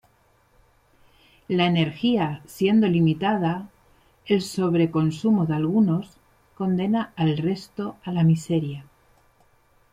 La energía siendo limitada, el sobre-consumo de algunos condena al resto a la miseria.